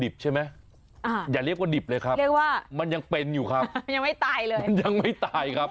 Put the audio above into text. อย่าเรียกว่าดิบเลยครับเรียกว่ามันยังเป็นอยู่ครับมันยังไม่ตายเลยมันยังไม่ตายครับ